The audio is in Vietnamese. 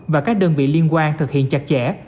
và các đơn vị liên quan thực hiện chặt chẽ